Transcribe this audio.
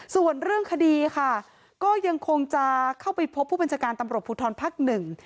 ส่วนเรื่องคดีค่ะก็ยังคงจะเข้าไปพบผู้บัญชาการตำรวจภูทรภักดิ์หนึ่ง